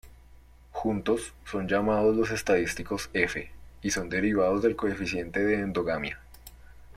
Juntos, son llamados los estadísticos F, y son derivados del coeficiente de endogamia.